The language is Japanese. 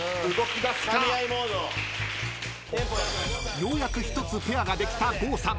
［ようやく１つペアができた郷さん］